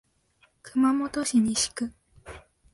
熊本市西区